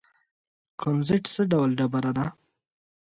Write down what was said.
کونزیټ څه ډول ډبره ده؟